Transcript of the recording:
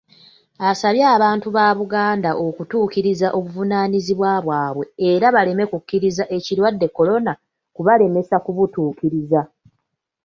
Asabye abantu ba Buganda okutuukiriza obuvunaanyizibwa bwabwe era baleme kukkiriza ekirwadde Corona kubalemesa kubutuukiriza.